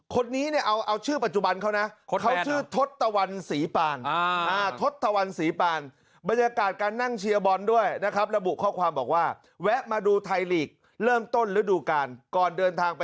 คนนี้เนี่ยเอาชื่อปัจจุบันเขานะ